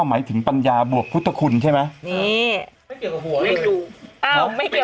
หมายถึงปัญญาบวกพุทธคุณใช่ไหม